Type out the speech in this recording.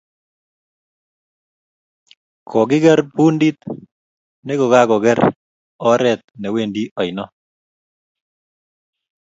Kokigar pundit ne kokakoger oret newendi aino